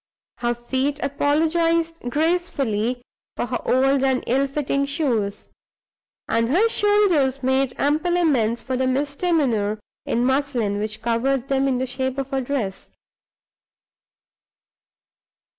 Her feet apologized gracefully for her old and ill fitting shoes; and her shoulders made ample amends for the misdemeanor in muslin which covered them in the shape of a dress.